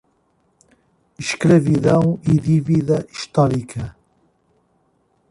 Escravidão e dívida histórica